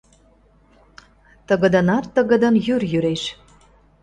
Тыгыдынат-тыгыдын йӱр йӱреш